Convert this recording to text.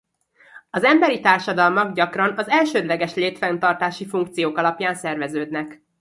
Az emberi társadalmak gyakran az elsődleges létfenntartási funkciók alapján szerveződnek.